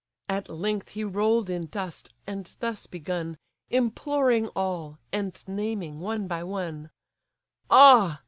At length he roll'd in dust, and thus begun, Imploring all, and naming one by one: "Ah!